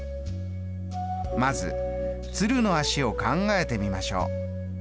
まず鶴の足を考えてみましょう。